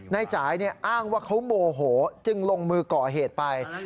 นายจ่ายอ้างว่าเขาโมโหจึงลงมือก่อเหตุไป